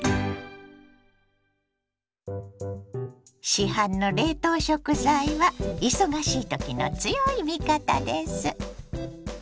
市販の冷凍食材は忙しいときの強い味方です。